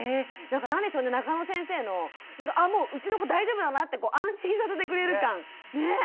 なんか何でしょうね中野先生のあもううちの子大丈夫だなって安心させてくれる感。ね？ね？